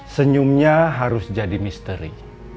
senyumnya harus jadi misteri